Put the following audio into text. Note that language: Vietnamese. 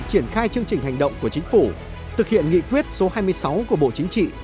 triển khai chương trình hành động của chính phủ thực hiện nghị quyết số hai mươi sáu của bộ chính trị